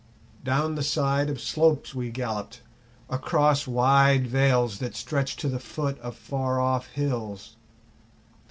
Down the side of slopes we galloped, across wide vales that stretched to the foot of far off hills.